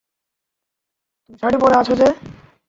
তুমি শাড়ি পরে আছো যে?